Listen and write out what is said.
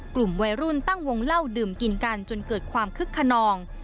กลุ่มวัยรุ่นตั้งวงเล่าดื่มกินกันจนเกิดความคึกขนอง